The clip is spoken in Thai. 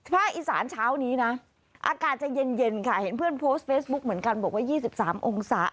อีสานเช้านี้นะอากาศจะเย็นค่ะเห็นเพื่อนโพสต์เฟซบุ๊คเหมือนกันบอกว่า๒๓องศา